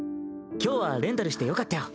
今日はレンタルしてよかったよ。